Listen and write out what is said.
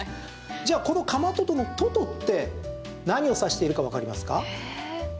じゃあこのかまととの「とと」って何を指しているかわかりますか？